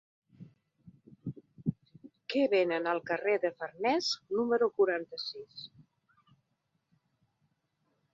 Què venen al carrer de Farnés número quaranta-sis?